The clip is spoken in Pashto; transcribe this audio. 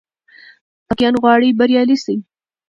که واقعاً غواړې بریالی سې،